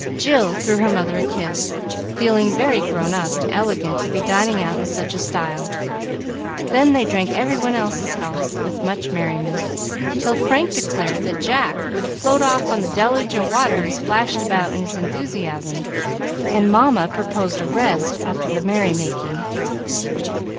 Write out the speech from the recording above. Jill threw her mother a kiss, feeling very grown up and elegant to be dining out in such style. Then they drank every one's health with much merriment, till Frank declared that Jack would float off on the deluge of water he splashed about in his enthusiasm, and Mamma proposed a rest after the merry making.